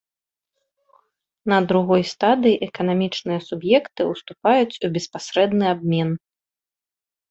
На другой стадыі эканамічныя суб'екты ўступаюць у беспасрэдны абмен.